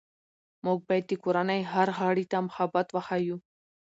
موږ باید د کورنۍ هر غړي ته محبت وښیو